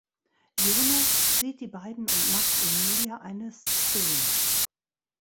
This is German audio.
Jonas sieht die beiden und macht Emilia eine Szene.